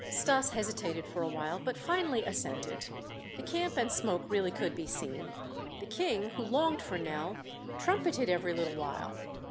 Stas hesitated for a while but finally assented. The camp and smoke really could be seen. The King, who longed for Nell, trumpeted every little while.